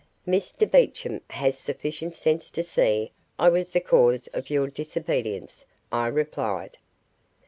"Mr Beecham has sufficient sense to see I was the cause of your disobedience," I replied.